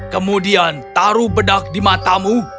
kemudian taruh bedak di matamu